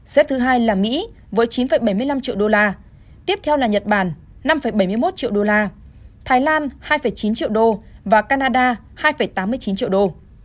xếp thứ hai là mỹ với chín bảy mươi năm triệu đô la tiếp theo là nhật bản năm bảy mươi một triệu đô la thái lan hai chín triệu đô và canada hai tám mươi chín triệu đô